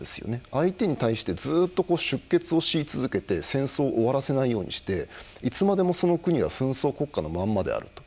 相手に対してずっと出血を強い続けて戦争を終わらせないようにしていつまでもその国は紛争国家のまんまであると。